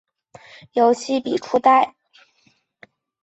游戏比初代难很多。